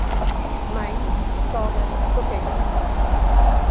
Mãe, sogra, cocaína.